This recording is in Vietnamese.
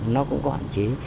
nó cũng có hạn chế